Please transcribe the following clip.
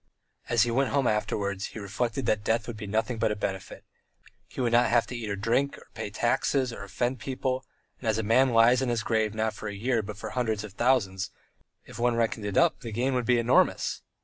As he went home afterwards, he reflected that death would be nothing but a benefit; he would not have to eat or drink, or pay taxes or offend people, and, as a man lies in his grave not for one year but for hundreds and thousands, if one reckoned it up the gain would be enormous.